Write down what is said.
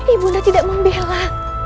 ibu nda tidak membela